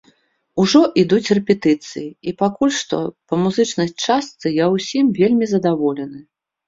Ужо ідуць рэпетыцыі і пакуль што па музычнай частцы я ўсім вельмі задаволены.